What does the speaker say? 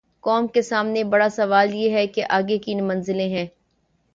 قوم کے سامنے بڑا سوال یہ ہے کہ آگے کی منزلیں ہیں۔